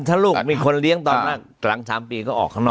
ถ้าลูกมีคนเลี้ยงตอนหลัง๓ปีก็ออกข้างนอก